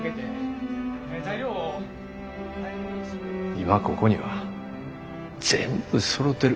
今ここには全部そろてる。